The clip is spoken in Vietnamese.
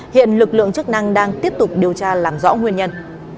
hiện lực lượng chức năng đang tiếp tục điều tra làm rõ nguyên nhân